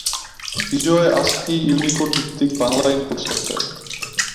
বিজয় আসকি-ইউনিকোড ভিত্তিক Bangla input software.